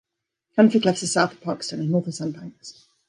Canford Cliffs is south of Parkstone and north of Sandbanks.